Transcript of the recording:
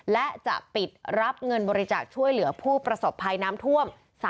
และจะปิดรับเงินบริจาคช่วยเหลือผู้ประสบภัยน้ำท่วม